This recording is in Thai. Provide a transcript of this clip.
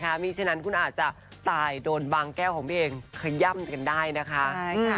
เพราะฉะนั้นคุณอาจจะตายโดนบางแก้วของพี่เองขย่ำกันได้นะคะ